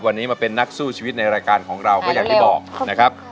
วันนี้มาเป็นนักสู้ชีวิตในรายการของเราก็อย่างที่บอกนะครับ